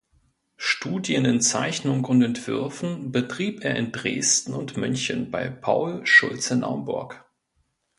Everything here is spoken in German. Studien in Zeichnung und Entwürfen betrieb er in Dresden und München bei Paul Schulze-Naumburg.